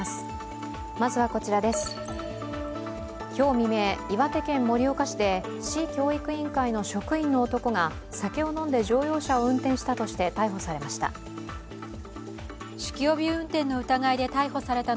今日未明、岩手県盛岡市で市教育委員会の職員の男が酒を飲んで乗用車を運転したとして逮捕されました。